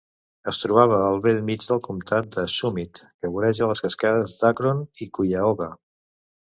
Es trobava al bell mig del comtat de Summit, que voreja les cascades d"Akron i Cuyahoga.